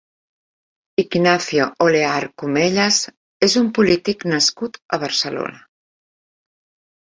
Ignacio Oleart Comellas és un polític nascut a Barcelona.